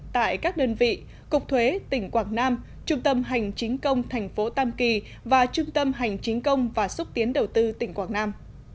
tại các đơn vị cục thuế tỉnh quảng nam trung tâm hành chính công thành phố tam kỳ và trung tâm hành chính công và xúc tiến đầu tư tỉnh quảng nam